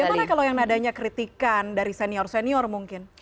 bagaimana kalau yang nadanya kritikan dari senior senior mungkin